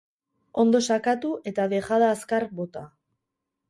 Ondo sakatu eta dejada azkar bota.